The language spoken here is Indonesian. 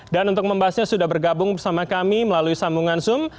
dan untuk membahasnya sudah bergabung bersama kami melalui sambungan zoom